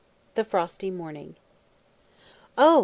] The Frosty Morning. "Oh!